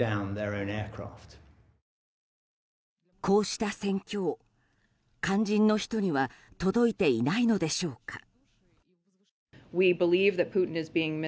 こうした戦況、肝心の人には届いていないのでしょうか。